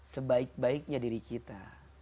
sebaik baiknya diri kita